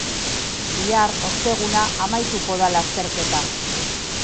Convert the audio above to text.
Bihar, osteguna, amaituko da lasterketa.